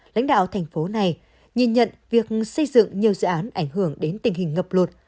lãnh đạo thành phố này nhìn nhận việc xây dựng nhiều dự án ảnh hưởng đến tình hình ngập lụt